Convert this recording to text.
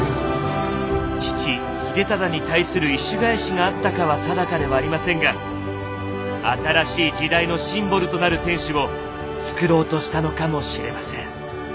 父・秀忠に対する意趣返しがあったかは定かではありませんが新しい時代のシンボルとなる天守を造ろうとしたのかもしれません。